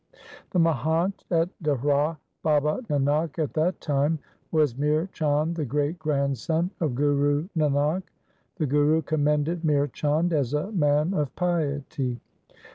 The Mahant at Dehra Baba Nanak at that time was Mihr Chand, the great grandson of Guru Nanak. The Guru commended Mihr Chand as a man of piety.